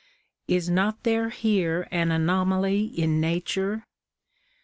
Is not there here an anomaly in nature